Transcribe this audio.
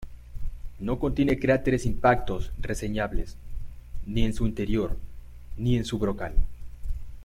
No contiene cráteres impactos reseñables ni en su interior ni en su brocal.